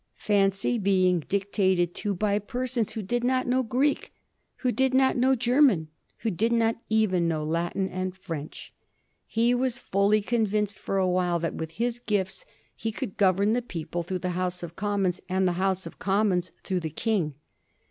Fancy being dictated to by persons who did not know Oreek, who did not know German, who did not even know Latin and French ! He was fully convinced for a while that with his gifts he could gov ern the people through the House of Commons and the House of Commons through the King.